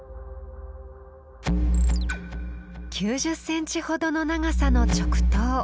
９０センチほどの長さの直刀。